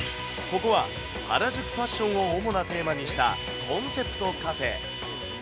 ここは、原宿ファッションを主なテーマにしたコンセプトカフェ。